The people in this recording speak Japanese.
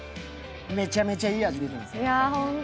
めちゃめちゃいい味出てますよね。